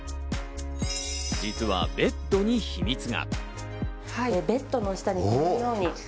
実はベッドに秘密が。